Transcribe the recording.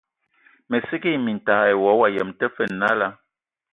Mə sə kig mintag ai wa, wa yəm tə fə nala.